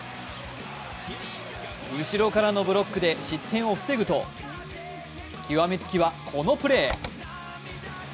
後ろからのブロックで失点を防ぐと極めつきは、このプレー。